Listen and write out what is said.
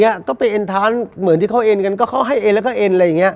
ก็ไปเอ็นทานเหมือนที่เขาเอ็นกันก็เขาให้เอ็นแล้วก็เอ็นอะไรอย่างเงี้